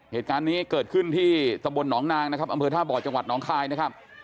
เหตุการณ์นี้เกิดขึ้นที่ตะบลหนองนางนะครับอำเภอท่าบ่อจังหวัดน้องคายนะครับ